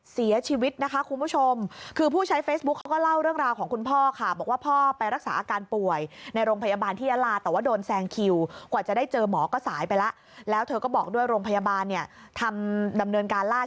เสียชีวิตนะคะคุณผู้ชมคือผู้ใช้เฟซบุ๊คเขาก็เล่าเรื่องราว